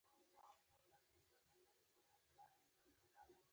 ازادي راډیو د د ماشومانو حقونه په اړه پراخ بحثونه جوړ کړي.